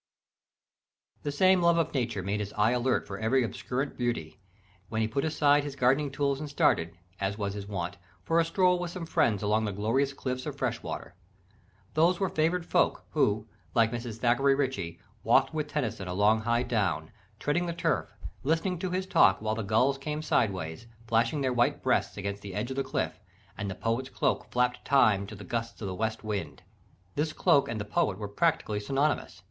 _ The same love of Nature made his eye alert for every obscurest beauty, when he put aside his gardening tools and started, as was his wont, for a stroll with some friend along the glorious cliffs of Freshwater. Those were favoured folk, who, like Mrs. Thackeray Ritchie, "walked with Tennyson along High Down, treading the turf, listening to his talk, while the gulls came sideways, flashing their white breasts against the edge of the cliff, and the Poet's cloak flapped time to the gusts of the west wind." This cloak and the Poet were practically synonymous.